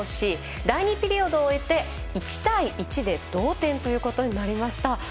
第２ピリオドを終えて１対１で同点ということになりました。